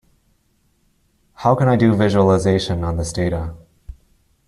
How can I do visualization on this data?